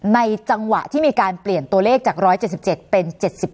จังหวะที่มีการเปลี่ยนตัวเลขจาก๑๗๗เป็น๗๘